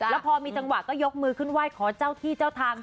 แล้วพอมีจังหวะก็ยกมือขึ้นไหว้ขอเจ้าที่เจ้าทาง